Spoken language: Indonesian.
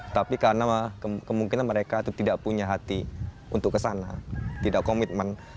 tapi karena kemungkinan mereka tidak punya hati untuk ke sana tidak komitmen